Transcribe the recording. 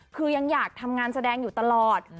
คือยังอยากทำงานแสดงอยู่ตลอด